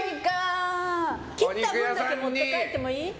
切った分だけ持って帰ってもいい？